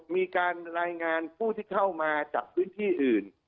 มีการรายงานผู้ที่เข้ามาจากพื้นที่อื่น